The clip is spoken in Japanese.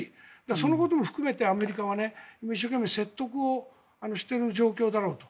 そのことも含めてアメリカは説得をしている状況だろうと。